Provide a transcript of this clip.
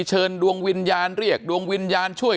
เชิญดวงวิญญาณเรียกดวงวิญญาณช่วย